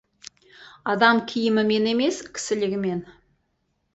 Адам киімімен емес, кісілігімен.